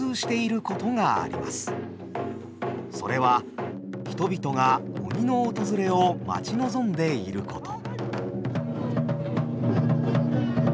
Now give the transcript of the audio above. それは人々が鬼の訪れを待ち望んでいること。